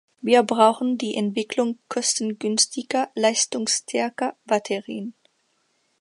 Wir brauchen die Entwicklung kostengünstiger, leistungsstarker Batterien.